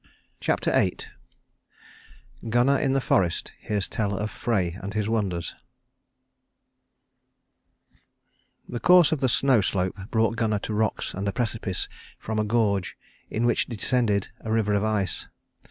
CHAPTER VIII GUNNAR IN THE FOREST HEARS TELL OF FREY AND HIS WONDERS The course of the snow slope brought Gunnar to rocks and a precipice from a gorge in which descended a river of ice.